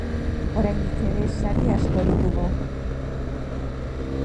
Oraindik ere sari asko ditugu!